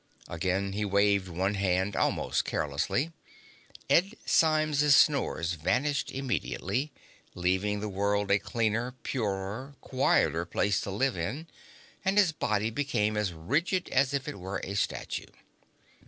Again he waved one hand, almost carelessly. Ed Symes's snores vanished immediately, leaving the world a cleaner, purer, quieter place to live in, and his body became as rigid as if he were a statue.